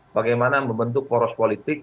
bagaimana membentuk poros politik